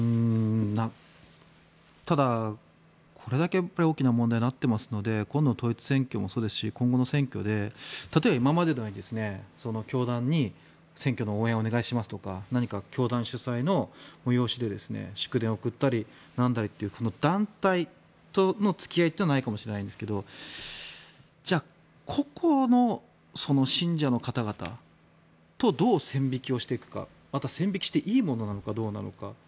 ただ、これだけやっぱり大きな問題になってますので今度の統一地方選挙もそうですし今後の選挙で例えば今までのように教団に選挙の応援をお願いしますとか教団主催の催しで祝電を送ったりなんなりという団体との付き合いはないかもしれないですがじゃあ、個々の信者の方々とどう線引きをしていくかまた、線引きしていいものなのかどうなのか。